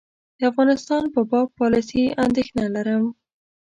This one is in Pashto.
د افغانستان په باب پالیسي اندېښنه لرم.